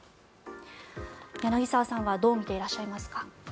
柳澤さんはどう見ていらっしゃいますか？